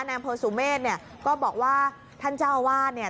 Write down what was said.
ในอำเภอสูเมฆเนี่ยก็บอกว่าท่านเจ้าอาวาส